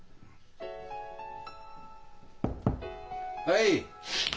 はい。